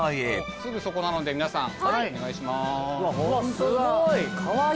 すぐそこなのでみなさんお願いしますえー